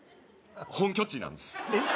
本拠地なんですえっ？